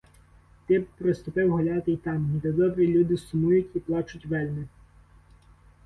Ти б приступив гуляти й там, де добрі люди сумують і плачуть вельми!